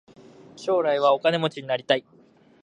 将来お金持ちになりたい。